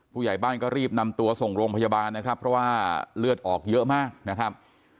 ผู้ใหญ่บ้านก็รีบนำตัวส่งโรงพยาบาลนะครับเพราะว่าเลือดออกเยอะมากนะครับ